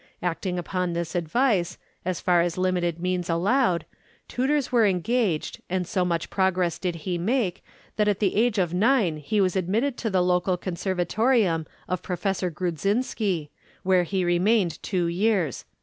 Acting upon this advice, as far as limited means allowed, tutors were engaged, and so much progress did he make that at the age of nine he was admitted to the local Conservatorium of Professor Grudzinski, where he remained two years.